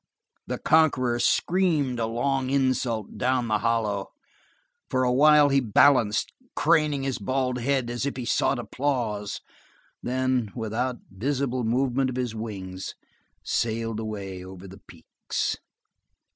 The conqueror screamed a long insult down the hollow. For a while he balanced, craning his bald head as if he sought applause, then, without visible movement of his wings, sailed away over the peaks.